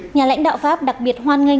nhà lãnh đạo pháp đặc biệt hoan nghênh